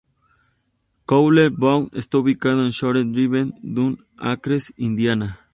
Cowles Bog está ubicado en Shore Drive, Dune Acres, Indiana.